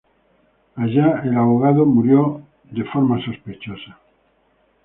Allá el abogado murió en forma sospechosa.